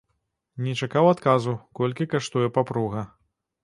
Не чакаў адказу, колькі каштуе папруга.